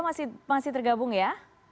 mas saiful huda masih tergabung ya